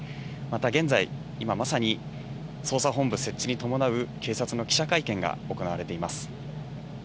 また現在、今まさに、捜査本部設置に伴う警察の記者会見が行われています。